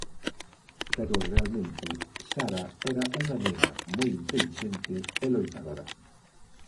Pero realmente Sara era unha nena moi intelixente e loitadora.